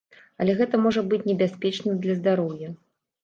Але гэта можа быць небяспечна для здароўя.